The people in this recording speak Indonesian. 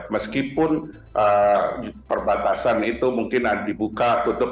meskipun perbatasan itu mungkin dibuka tutup